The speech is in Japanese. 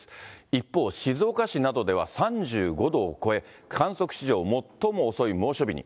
一方、静岡市などでは３５度を超え、観測史上最も遅い猛暑日に。